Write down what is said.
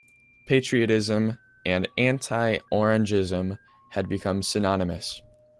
Patriotism and anti-Orangism had become synonymous.